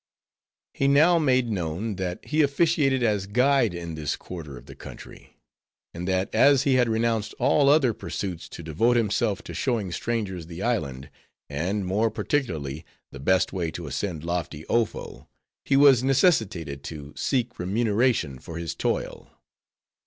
He now made known, that he officiated as guide in this quarter of the country; and that as he had renounced all other pursuits to devote himself to showing strangers the island; and more particularly the best way to ascend lofty Ofo; he was necessitated to seek remuneration for his toil.